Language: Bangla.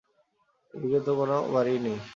এদিকে তো কোনো বাড়িই নেই।